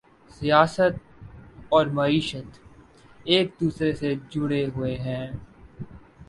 سیاست اور معیشت ایک دوسرے سے جڑے ہوئے ہیں